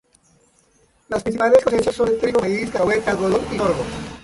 Las principales cosechas son de trigo, maíz, cacahuete, algodón y sorgo.